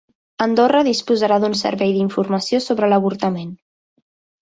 Andorra disposarà d'un servei d'informació sobre l'avortament